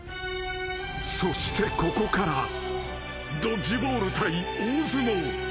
［そしてここからドッジボール対大相撲］